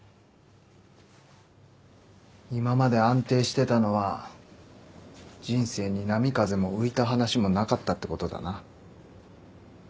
今まで安定してたのは人生に波風も浮いた話もなかったってことだな。